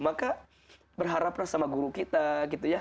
maka berharaplah sama guru kita gitu ya